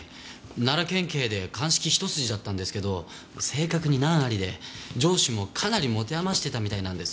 奈良県警で鑑識一筋だったんですけど性格に難ありで上司もかなり持て余してたみたいなんです。